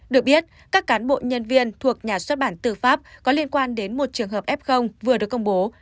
được biết các cán bộ nhân viên thuộc nhà xuất bản tư pháp có liên quan đến một trường hợp f vừa được công bố